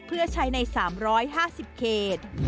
เพื่อใช้ใน๓๕๐เขต